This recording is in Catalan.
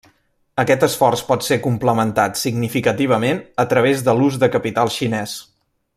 Aquest esforç pot ser complementat significativament a través de l'ús de capital xinès.